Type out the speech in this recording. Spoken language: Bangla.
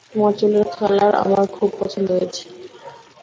তোমার চুলের কালার আমার খুব পছন্দ হয়েছে।